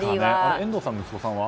遠藤さんの息子さんは？